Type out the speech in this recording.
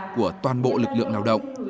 của toàn bộ lực lượng lao động